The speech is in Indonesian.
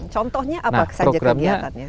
contohnya apa saja kegiatannya